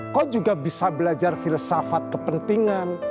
kau juga bisa belajar filsafat kepentingan